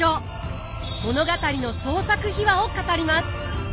物語の創作秘話を語ります。